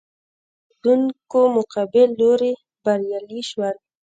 د وړۍ اوبدونکو مقابل لوری بریالي شول.